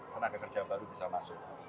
tenaga kerja baru bisa masuk